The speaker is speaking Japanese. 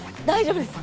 大丈夫。